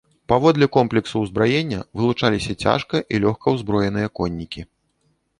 Паводле комплексу ўзбраення вылучаліся цяжка- і лёгкаўзброеныя коннікі.